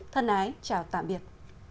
thân ái chào tạm biệt